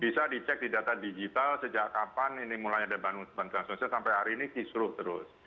bisa dicek di data digital sejak kapan ini mulai ada bantuan sosial sampai hari ini kisruh terus